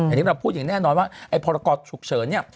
อันนี้เราพูดอย่างแน่นอนว่าไอ้พรกรฉุกเฉินเนี่ย